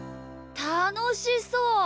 たのしそう。